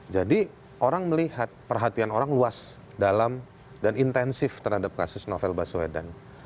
jadi orang melihat perhatian orang luas dalam dan intensif terhadap kasus novel baswedan